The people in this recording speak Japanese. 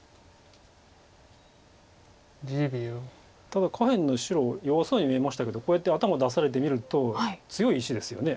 ただ下辺の白弱そうに見えましたけどこうやって頭出されてみると強い石ですよね。